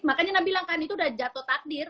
makanya nabila kan itu udah jatoh takdir